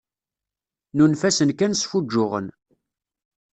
Nunef-asen kan sfuǧǧuɣen.